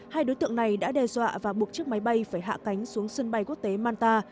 hai đối tượng này đã đe dọa và buộc chiếc máy bay phải hạ cánh xuống sân bay quốc tế manta